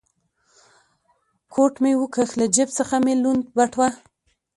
کوټ مې و کښ، له جېب څخه مې لوند بټوه.